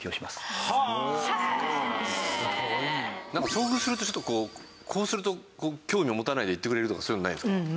遭遇するとちょっとこうすると興味を持たないで行ってくれるとかそういうのないですか？